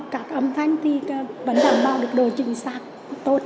các âm thanh thì vẫn đảm bảo được độ chính xác tốt